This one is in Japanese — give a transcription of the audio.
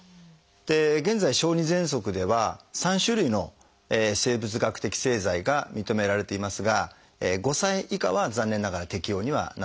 現在小児ぜんそくでは３種類の生物学的製剤が認められていますが５歳以下は残念ながら適応にはなっておりません。